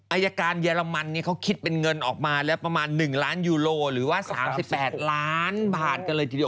อายการเยอรมันเขาคิดเป็นเงินออกมาแล้วประมาณ๑ล้านยูโรหรือว่า๓๘ล้านบาทกันเลยทีเดียว